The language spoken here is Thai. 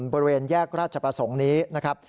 บริเวณแยกราชประสงค์นี้นะครับ